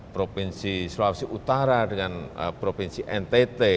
provinsi sulawesi utara dengan provinsi ntt